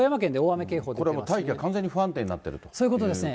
大気が完全に不安定になってそういうことですね。